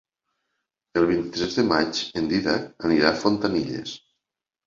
El vint-i-tres de maig en Dídac anirà a Fontanilles.